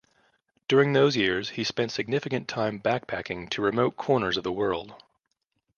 During those years, he spent significant time backpacking to remote corners of the world.